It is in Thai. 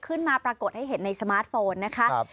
ปรากฏให้เห็นในสมาร์ทโฟนนะคะ